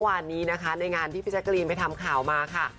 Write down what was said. วันนี้นะคะในงานที่พี่แจกรีนไปทำข่าวมาค่ะ